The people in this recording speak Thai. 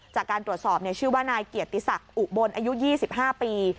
จากการตรวจสอบชื่อว่านายเกียรติศักดิ์อุบลอายุ๒๕ปี